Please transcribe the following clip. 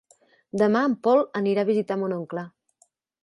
Demà en Pol anirà a visitar mon oncle.